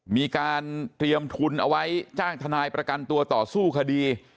มีการเตรียมทุนเอาไว้จ้างทนายประกันตัวต่อสู้คดี